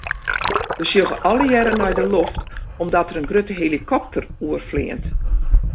We sjogge allegearre nei de loft omdat der in grutte helikopter oerfleant.